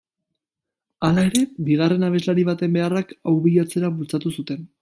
Hala ere, bigarren abeslari baten beharrak, hau bilatzera bultzatu zuten.